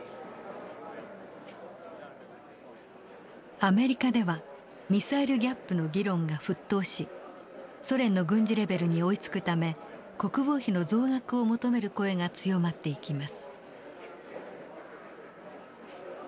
アメリカではミサイル・ギャップの議論が沸騰しソ連の軍事レベルに追いつくため国防費の増額を求める声が強まっていきます。